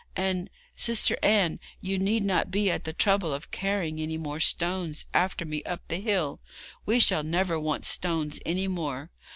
And, Sister Anne, you need not be at the trouble of carrying any more stones after me up the hill; we shall never want stones any more.